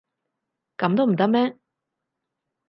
噉都唔得咩？